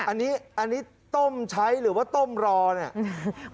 อันนี้อันนี้ต้มใช้หรือว่าต้มรอเนี่ย